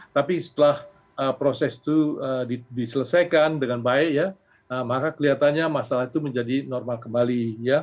tapi setelah proses itu diselesaikan dengan baik ya maka kelihatannya masalah itu menjadi normal kembali